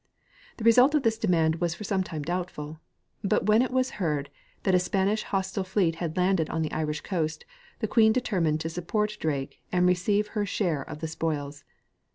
The result of this demand was for some time doubtful ; but when it was heard that a Span ish hostile fleet had landed on the Irish coast, the queen deter mined to support Drake and receive her share of the spoils.